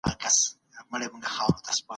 ښه ذهنیت آرامتیا نه زیانمنوي.